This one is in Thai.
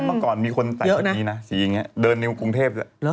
เมื่อก่อนมีคนใส่ชุดนี้นะสีอย่างนี้เดินในกรุงเทพ